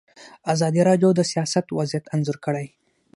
ازادي راډیو د سیاست وضعیت انځور کړی.